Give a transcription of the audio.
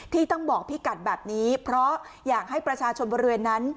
ที่ต้องบอกพี่กัดแบบนี้เพราะอยากให้ประชาชนบริเวณนั้น